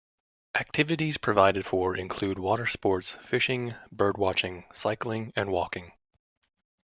Activities provided for include water sports, fishing, bird watching, cycling and walking.